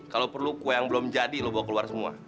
kalau perlu kue yang belum jadi lo bawa keluar semua